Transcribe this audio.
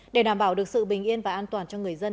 để đảm bảo được sự bình yên và an toàn cho người dân